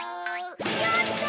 ちょっと！